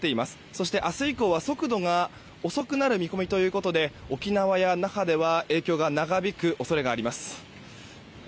そして、明日以降は速度が遅くなる見込みということで沖縄、那覇では影響が長引く恐れがあります。